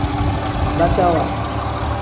Batawa.